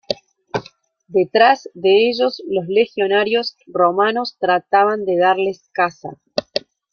Detrás de ellos, los legionarios romanos trataban de darles caza.